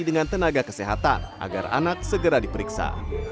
dengan tenaga kesehatan agar anak segera diperiksa